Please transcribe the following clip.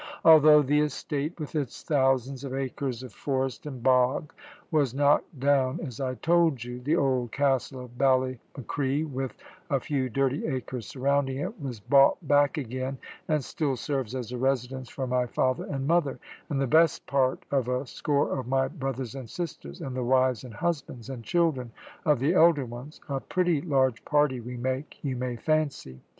"Although the estate with its thousands of acres of forest and bog was knocked down as I told you, the old castle of Ballymacree, with a few dirty acres surrounding it, was bought back again, and still serves as a residence for my father and mother, and the best part of a score of my brothers and sisters, and the wives and husbands and children of the elder ones a pretty large party we make, you may fancy.